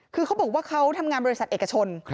คือเขาบอกว่าเขาทำงานบริษัทเอกชน